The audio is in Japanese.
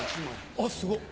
あっすごい。